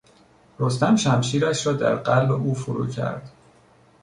رستم شمشیرش را در قلب او فرو کرد.